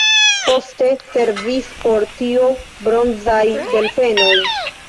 Poste servis por tio bronzaj delfenoj.